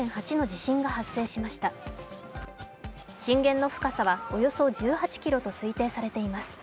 震源の深さは、およそ１８ｋｍと推定されています。